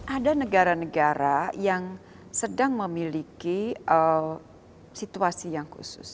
ada negara negara yang sedang memiliki situasi yang khusus